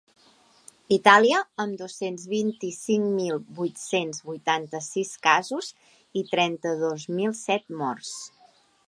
Itàlia, amb dos-cents vint-i-cinc mil vuit-cents vuitanta-sis casos i trenta-dos mil set morts.